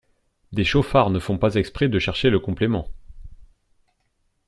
Des chauffards ne font pas exprès de chercher le complément!